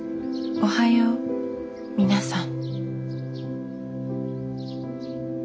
おはよう皆さん。